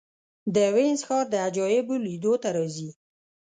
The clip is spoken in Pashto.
د وینز ښار د عجایبو لیدو ته راځي.